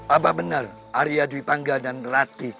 apa benar arya dwi pangga dan ratki